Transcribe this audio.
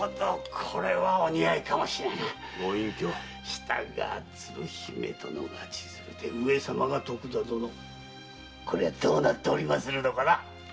したが鶴姫殿が“千鶴”で上様が“徳田殿”。こりゃどうなっておりまするのかな？